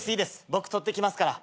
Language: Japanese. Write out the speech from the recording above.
僕取ってきますから。